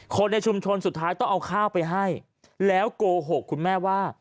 คนในชุมชนสุดท้ายต้องเอาข้าวไปให้แล้วโกหกคุณแม่ว่า